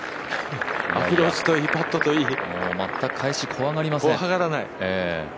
アプローチといい、パットといい全く返し、怖がりません。